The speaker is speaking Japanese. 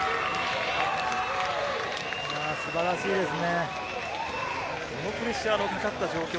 素晴らしいですね。